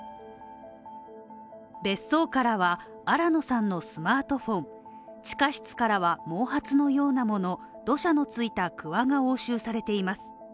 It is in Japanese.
別荘からは新野さんのスマートフォン、地下室からは毛髪のようなもの、土砂のついたくわが押収されています。